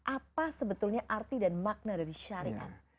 apa sebetulnya arti dan makna dari syariat